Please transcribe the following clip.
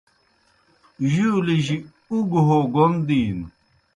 جُولِجیْ اُگوْ ہو گوْن دِینوْ۔